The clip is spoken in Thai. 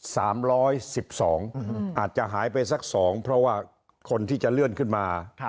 สามร้อยสิบสองอืมอาจจะหายไปสักสองเพราะว่าคนที่จะเลื่อนขึ้นมา